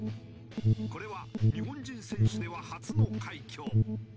これは日本人選手では初の快挙。